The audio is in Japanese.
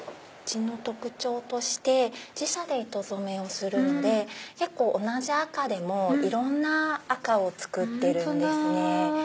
うちの特徴として自社で糸染めをするので同じ赤でもいろんな赤を作ってるんですね。